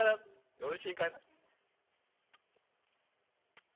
よろしいかな」。